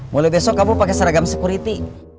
mulai besok kamu pakai seragam security